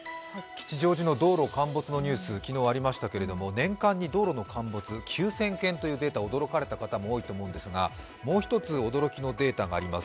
吉祥寺の道路陥没のニュース、昨日ありましたけれども、年間に道路の陥没９０００件というデータ、驚かれた方も多いと思うんですがもう一つ驚きのデータがあります。